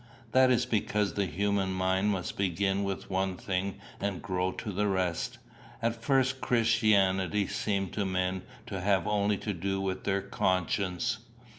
"That is because the human mind must begin with one thing and grow to the rest. At first, Christianity seemed to men to have only to do with their conscience.